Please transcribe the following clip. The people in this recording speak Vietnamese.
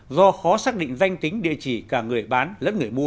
do khó xác định danh tính địa chỉ cả người bán lẫn người mua